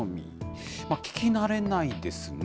聞き慣れないですね。